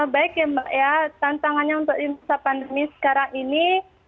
baik ya mbak ya tantangannya untuk masa pandemi sekarang ini